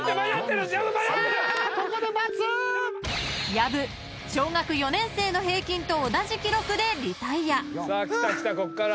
［薮小学４年生の平均と同じ記録でリタイア］きたきたこっから。